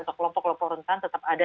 atau kelompok kelompok rentan tetap ada